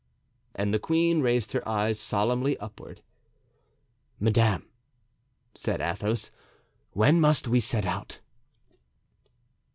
And the queen raised her eyes solemnly upward. "Madame," said Athos, "when must we set out?"